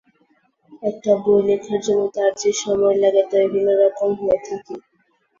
একটা বই লেখার জন্য তার যে-সময় লাগে, তা বিভিন্ন রকম হয়ে থাকে।